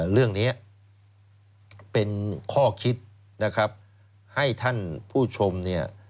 เรื่องนี้เป็นข้อคิดนะครับให้ท่านผู้ชมเนี่ย